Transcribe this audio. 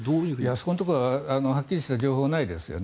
そこのところははっきりした情報はないですね。